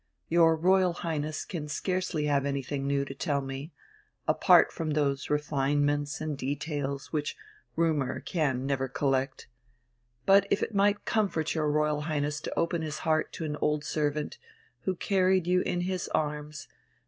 Your Royal Highness can scarcely have anything new to tell me, apart from those refinements and details which rumour can never collect. But if it might comfort your Royal Highness to open his heart to an old servant, who carried you in his arms